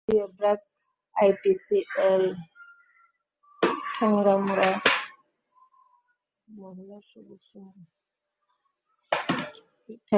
NGO BRAC, ITCL, Thengamara Mohila Sabuj Sangha.